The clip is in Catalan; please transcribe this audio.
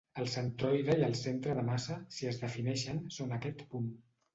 El centroide i el centre de massa, si es defineixen, són aquest punt.